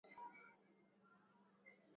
ilikatwa kiholela mambo mingi iliharibika kabisa